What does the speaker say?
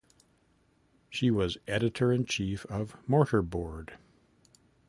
She was editor-in-chief of "Mortarboard".